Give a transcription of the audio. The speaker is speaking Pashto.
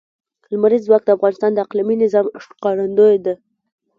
لمریز ځواک د افغانستان د اقلیمي نظام ښکارندوی ده.